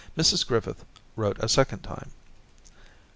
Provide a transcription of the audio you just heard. Mrs Griffith wrote a second time.